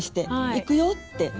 「行くよ」って。